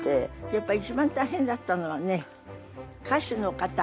やっぱり一番大変だったのはね。